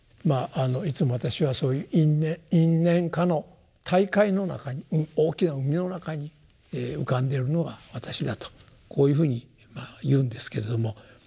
いつも私はそういう「因・縁・果の大海」の中に大きな海の中に浮かんでるのが私だとこういうふうに言うんですけれども。